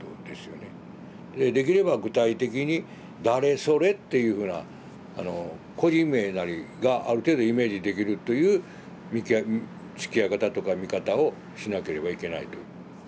でできれば具体的に「誰それ」っていうふうな個人名なりがある程度イメージできるというつきあい方とか見方をしなければいけないという。